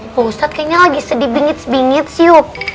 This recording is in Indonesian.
pak ustadz kayaknya sedih bingit siup